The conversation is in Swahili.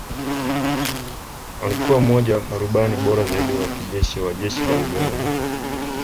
Alikuwa mmoja wa marubani bora zaidi wa kijeshi wa Jeshi la Uganda